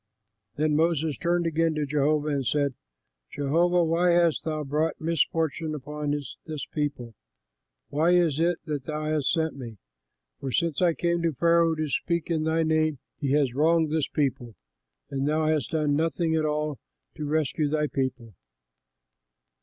Then Moses turned again to Jehovah and said, "Jehovah, why hast thou brought misfortune upon this people? Why is it that thou has sent me? For since I came to Pharaoh to speak in thy name he has wronged this people, and thou hast done nothing at all to rescue thy people."